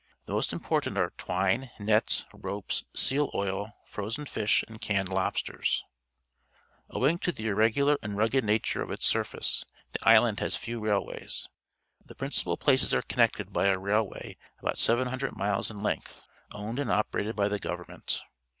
The most important are twine, nets, ropes, seal itil, frozen fish, and canncil I(i1> 1(m s. Owing to the irregular antl rugged nature of its surface, the island has few railways. The principal places are connected by a rail way about 700 miles in length, owned and operated by the government.